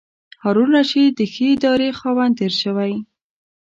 هارون الرشید د ښې ادارې خاوند تېر شوی.